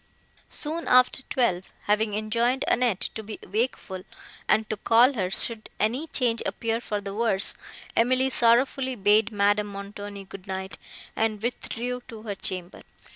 Soon after twelve, having enjoined Annette to be wakeful, and to call her, should any change appear for the worse, Emily sorrowfully bade Madame Montoni good night, and withdrew to her chamber.